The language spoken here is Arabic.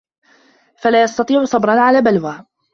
فَلَا يَسْتَطِيعُ صَبْرًا عَلَى بَلْوَى